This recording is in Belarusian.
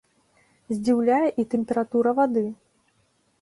Здзіўляе і тэмпература вады.